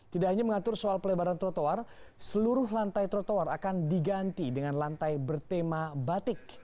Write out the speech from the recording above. tidak hanya mengatur soal pelebaran trotoar seluruh lantai trotoar akan diganti dengan lantai bertema batik